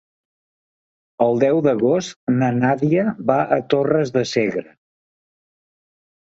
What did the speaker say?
El deu d'agost na Nàdia va a Torres de Segre.